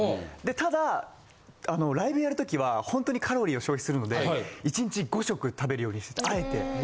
ただライブやる時は本当にカロリーを消費するので１日５食食べるようにしててあえて。